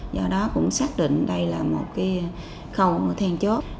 do đó cũng xác định đây là một cái khâu then chốt